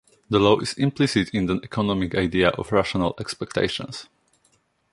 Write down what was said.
The law is implicit in the economic idea of rational expectations.